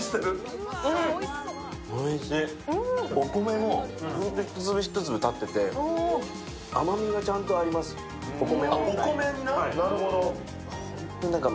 お米も本当に１粒１粒立ってて甘みがちゃんとあります、お米本来の。